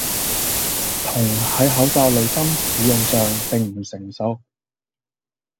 銅喺口罩濾芯使用上並唔成熟